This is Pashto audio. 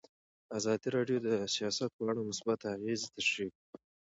ازادي راډیو د سیاست په اړه مثبت اغېزې تشریح کړي.